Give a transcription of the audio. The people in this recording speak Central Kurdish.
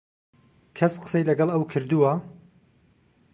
کەس قسەی لەگەڵ ئەو کردووە؟